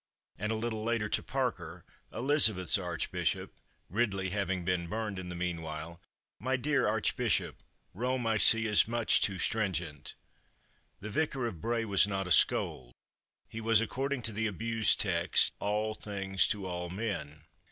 and a little later to Parker, Elizabeth's Archbishop (Ridley having been burned in the meanwhile), "My dear archbishop, Rome, I see, is much too stringent." The Vicar of Bray was not a scold. He was, according to the abused text, all things to all men.